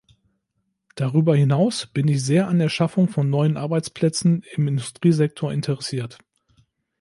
Darüber hinaus bin ich sehr an der Schaffung von neuen Arbeitsplätzen im Industriesektor interessiert.